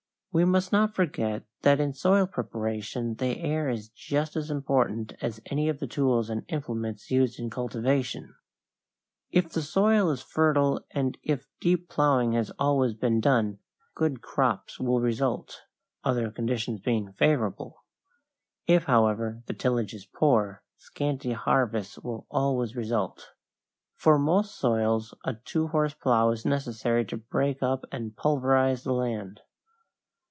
We must not forget that in soil preparation the air is just as important as any of the tools and implements used in cultivation. [Illustration: FIG. 3. SLOPE TO WATER SHOWS SOIL WEATHERED FROM FACE OF CLIFF] If the soil is fertile and if deep plowing has always been done, good crops will result, other conditions being favorable. If, however, the tillage is poor, scanty harvests will always result. For most soils a two horse plow is necessary to break up and pulverize the land.